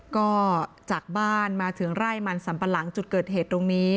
ก็จากบ้านมาถึงไร่มันสัมปะหลังจุดเกิดเหตุตรงนี้